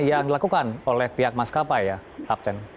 yang dilakukan oleh pihak maskapai ya kapten